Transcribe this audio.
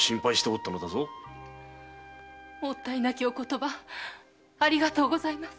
もったいなきお言葉ありがとうございます。